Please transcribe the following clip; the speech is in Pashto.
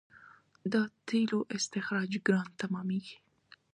د تیلو استخراج ګران تمامېږي.